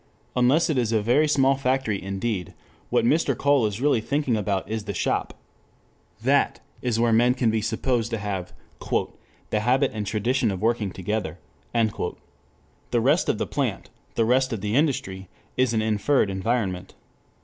Unless it is a very small factory indeed, what Mr. Cole is really thinking about is the shop. That is where men can be supposed to have "the habit and tradition of working together." The rest of the plant, the rest of the industry, is an inferred environment.